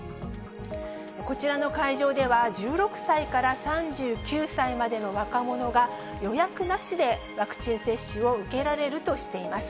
こちらの会場では、１６歳から３９歳までの若者が、予約なしでワクチン接種を受けられるとしています。